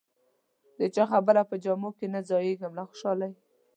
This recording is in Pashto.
د چا خبره په جامو کې نه ځایېږم له خوشالۍ.